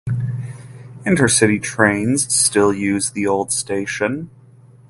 Intercity trains still use the old station.